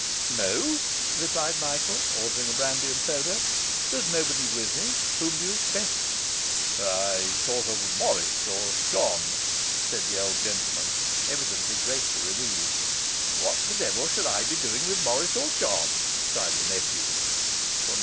'No,' replied Michael, ordering a brandy and soda, 'there's nobody with me; whom do you expect?' 'I thought of Morris or John,' said the old gentleman, evidently greatly relieved. 'What the devil would I be doing with Morris or John?' cried the nephew.